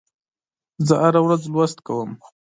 زه هره ورځ لوست کوم.